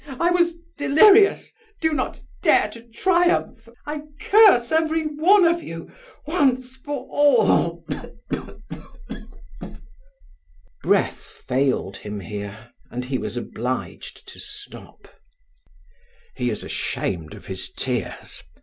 I was delirious, do not dare to triumph! I curse every one of you, once for all!" Breath failed him here, and he was obliged to stop. "He is ashamed of his tears!"